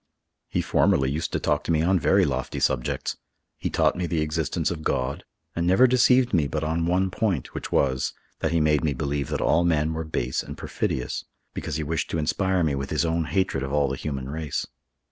He formerly used to talk to me on very lofty subjects. He taught me the existence of God, and never deceived me but on one point, which was—that he made me believe that all men were base and perfidious, because he wished to inspire me with his own hatred of all the human race.